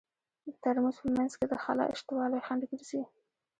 د ترموز په منځ کې د خلاء شتوالی خنډ ګرځي.